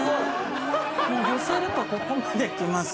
寄せるとここまできます